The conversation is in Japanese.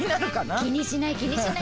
気にしない気にしない。